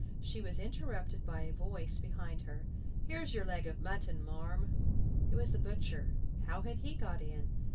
She was interrupted by a voice behind her. "Here's your leg of mutton, marm!" It was the butcher. How had he got in?